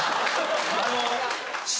あの。